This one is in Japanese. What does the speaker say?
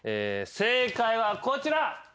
正解はこちら。